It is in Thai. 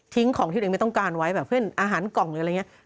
ของที่ตัวเองไม่ต้องการไว้แบบเช่นอาหารกล่องหรืออะไรอย่างนี้